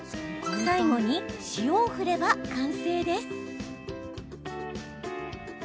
最後に塩を振れば完成です。